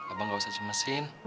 abang gak usah cemasin